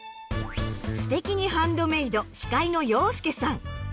「すてきにハンドメイド」司会の洋輔さん。